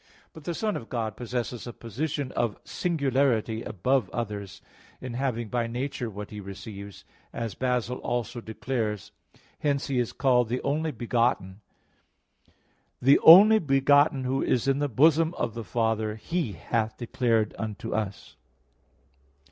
But the Son of God possesses a position of singularity above others, in having by nature what He receives, as Basil also declares (Hom. xv De Fide); hence He is called the only begotten (John 1:18): "The only begotten Who is in the bosom of the Father, He hath declared unto us."